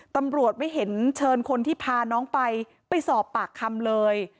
ตำรวจไม่เห็นเชิญคนที่พาน้องไปไปสอบปากคำเลย